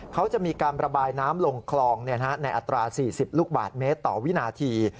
เขาจะมีการระบายน้ำลงคลองในอัตรา๔๐ลูกบาทเมตรต่อวินาที